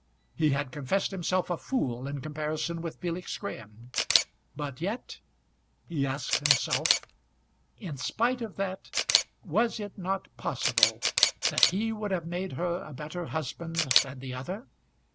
He had confessed himself a fool in comparison with Felix Graham; but yet, he asked himself, in spite of that, was it not possible that he would have made her a better husband than the other?